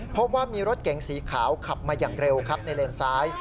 พบว่ามีรถเก๋งสีขาวขับมาอย่างเร็วครับในเลนซ้าย